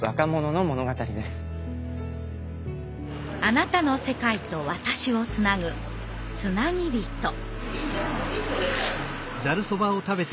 あなたの世界と私をつなぐつなぎびと。